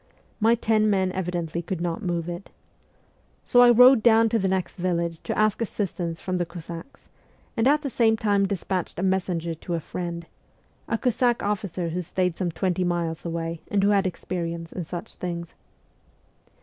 My ten men evidently could not move it. So I rowed down to the next village to ask assistance from the Cossacks, and at the same time despatched a messenger to a friend a Cossack officer who stayed some twenty miles away and who had experience in such things.